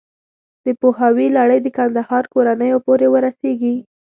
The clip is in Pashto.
د پوهاوي لړۍ د کندهار کورنیو پورې ورسېږي.